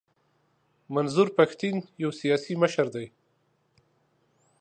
منظور پښتین یو سیاسي مشر دی.